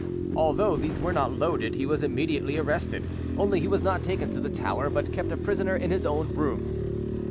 Although these were not loaded, he was immediately arrested; only he was not taken to the Tower, but kept a prisoner in his own room.